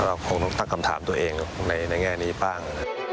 เราคงต้องตั้งคำถามตัวเองในแง่นี้บ้าง